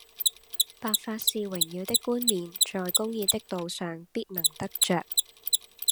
白髮是榮耀的冠冕，在公義的道上必能得著